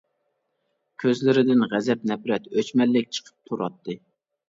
كۆزلىرىدىن غەزەپ نەپرەت، ئۆچمەنلىك چىقىپ تۇراتتى.